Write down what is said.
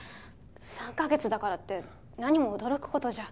３か月だからって何も驚く事じゃ。